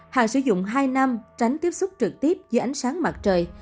hàng sử dụng hai năm tránh tiếp xúc trực tiếp với ánh sáng mặt trời